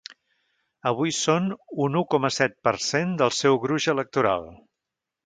Avui són un u coma set per cent del seu gruix electoral.